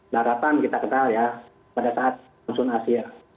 daratan kita kenal ya pada saat musim asia